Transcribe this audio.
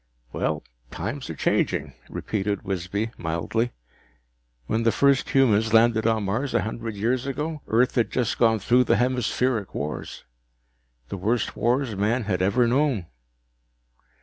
"Well, times are changing," repeated Wisby mildly. "When the first humans landed on Mars a hundred years ago, Earth had just gone through the Hemispheric Wars. The worst wars man had ever known.